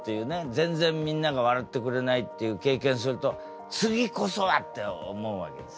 全然みんなが笑ってくれないっていう経験すると「次こそは！」って思うわけですよ。